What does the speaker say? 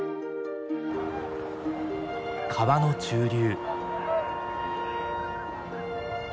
川の中流。